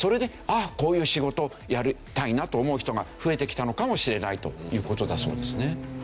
あこういう仕事やりたいなと思う人が増えてきたのかもしれないという事だそうですね。